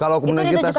kalau kemudian kita